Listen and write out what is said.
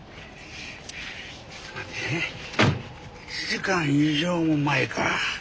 １時間以上も前か。